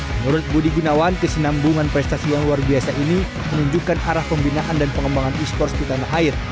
menurut budi gunawan kesenambungan prestasi yang luar biasa ini menunjukkan arah pembinaan dan pengembangan e sports di tanah air